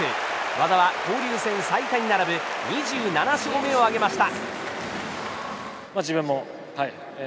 和田は、交流戦最多に並ぶ２７勝目を挙げました。